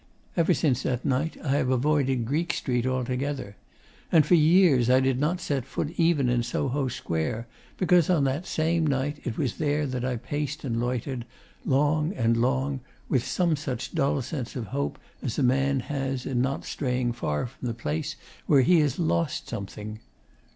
Ever since that night I have avoided Greek Street altogether. And for years I did not set foot even in Soho Square, because on that same night it was there that I paced and loitered, long and long, with some such dull sense of hope as a man has in not straying far from the place where he has lost something....